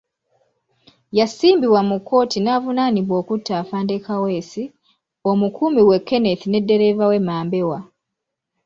Yasimbibwa mu kkooti n'avunaanibwa okutta Afande Kaweesi, Omukuumi we Kenneth ne ddereeva we Mambewa.